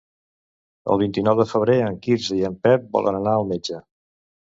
El vint-i-nou de febrer en Quirze i en Pep volen anar al metge.